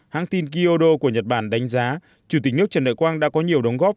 hãng tin kyodo của nhật bản đánh giá chủ tịch nước trần đại quang đã có nhiều đóng góp